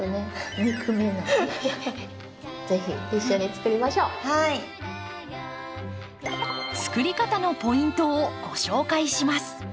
作り方のポイントをご紹介します。